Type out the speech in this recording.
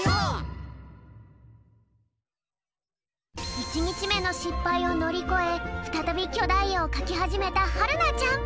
１にちめのしっぱいをのりこえふたたびきょだいえをかきはじめたはるなちゃん。